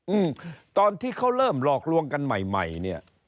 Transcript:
อืมตอนที่เขาเริ่มหลอกลวงกันใหม่ใหม่เนี้ย